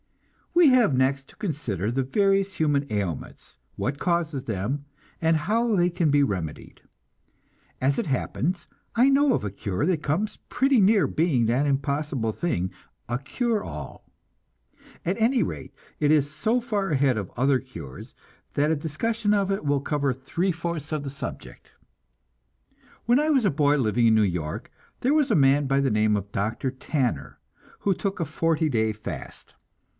We have next to consider the various human ailments, what causes them, and how they can be remedied. As it happens, I know of a cure that comes pretty near being that impossible thing, a "cure all." At any rate, it is so far ahead of all other cures, that a discussion of it will cover three fourths of the subject. When I was a boy living in New York, there was a man by the name of Dr. Tanner, who took a forty day fast.